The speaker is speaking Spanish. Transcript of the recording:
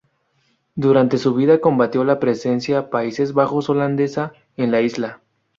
Durante su vida combatió la presencia Países Bajos holandesa en la isla.